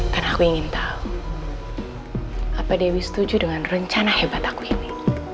karena aku ingin tahu apa dewi setuju dengan rencana hebat aku ini